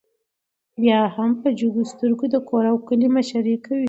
بيا هم په جګو سترګو د کور او کلي مشري کوي